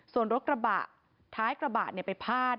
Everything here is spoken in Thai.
ส่วนรถกระบะท้ายกระบะไปพาด